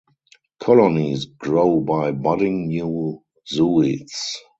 Colonies grow by budding new zooids.